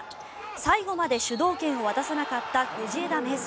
最後まで主導権を渡さなかった藤枝明誠。